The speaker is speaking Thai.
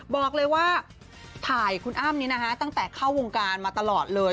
บอกเลยว่าถ่ายคุณอ้ำนี้ตั้งแต่เข้าวงการมาตลอดเลย